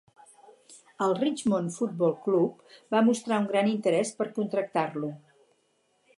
El Richmond Football Club va mostrar un gran interès per contractar-lo.